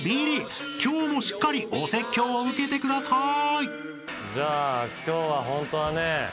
［今日もしっかりお説教を受けてください］